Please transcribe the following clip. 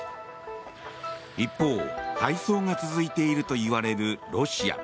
一方、敗走が続いているといわれるロシア。